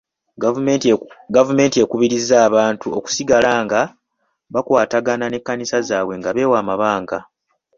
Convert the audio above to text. Gavumenti ekubirizza abantu okusigala nga bakwatagana n'ekkanisa zaabwe nga beewa amabanga.